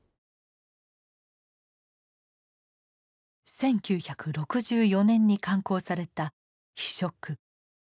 １９６４年に刊行された「非色」。